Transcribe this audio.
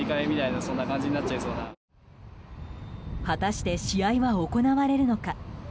果たして試合は行われるのか？